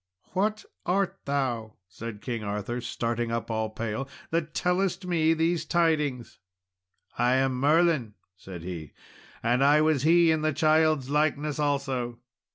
"What art thou," said King Arthur, starting up all pale, "that tellest me these tidings?" "I am Merlin," said he, "and I was he in the child's likeness, also."